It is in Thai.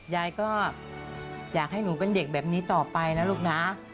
ยายก็อยากให้หนูเป็นเด็กแบบนี้ต่อไปนะลูกนะ